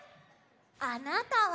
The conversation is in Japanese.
あなたは？